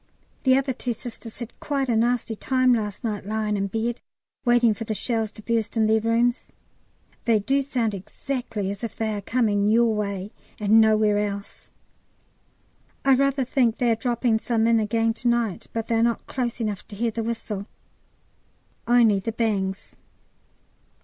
The other two Sisters had quite a nasty time last night lying in bed, waiting for the shells to burst in their rooms. They do sound exactly as if they are coming your way and nowhere else! I rather think they are dropping some in again to night, but they are not close enough to hear the whistle, only the bangs.